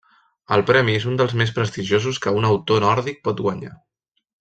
El premi és un dels més prestigiosos que un autor nòrdic pot guanyar.